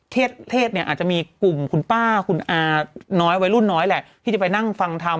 เทศเนี่ยอาจจะมีกลุ่มคุณป้าคุณอาน้อยวัยรุ่นน้อยแหละที่จะไปนั่งฟังทำ